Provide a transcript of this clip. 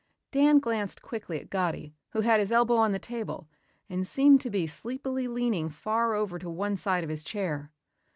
Dan glanced quickly at Gatti who had his elbow on the table and seemed to be sleepily leaning far over to one side of his chair.